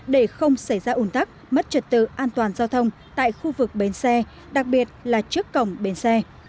để không xảy ra ủn tắc mất trật tự an toàn giao thông tại khu vực bến xe đặc biệt là trước cổng bến xe